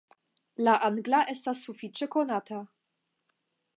La angla estas sufiĉe konata.